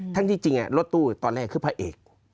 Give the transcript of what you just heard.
ทั้งที่จริงอ่ะรถตู้ตอนแรกคือพระเอก